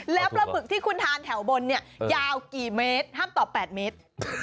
แล้วปลาหมึกที่คุณทานแถวบนเนี่ยยาวกี่เมตรห้ามตอบ๘เมตร